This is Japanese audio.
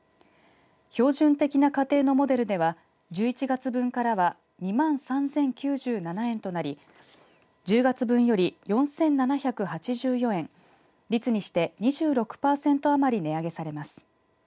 標準的な家庭のモデルでは１１月分からは２万３０９７円となり１０月分より４７８４円率にして２６パーセント余り値上げされます。